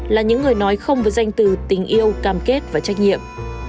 là những người nói không với danh từ tình yêu cam kết và trách nhiệm